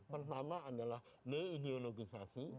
pertama adalah ne ideologisasi